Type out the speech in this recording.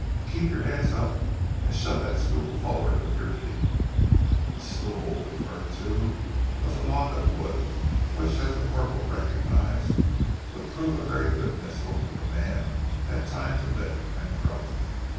"Keep your hands up, and shove that stool forward with your feet." The "stool" referred to was a log of wood, which as the corporal recognized, would prove a very good missile if a man had time to lift and throw it.